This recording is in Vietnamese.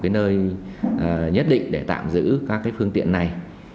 nơi nhất định để tạm giữ các phương tiện này